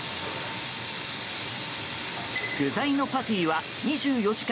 具材のパティは２４時間